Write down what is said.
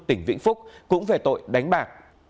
tỉnh vĩnh phúc cũng về tội đánh bạc